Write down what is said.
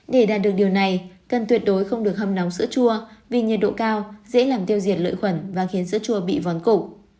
để đạt được điều này cần tuyệt đối không được hâm nóng sữa chua vì nhiệt độ cao dễ làm tiêu diệt lợi khuẩn và khiến sữa chua bị vón cổ